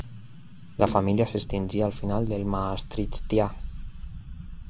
La família s'extingí al final del Maastrichtià.